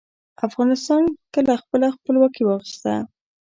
افغانستان کله خپله خپلواکي واخیسته؟